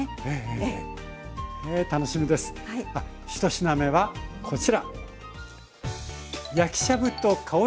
１品目はこちら。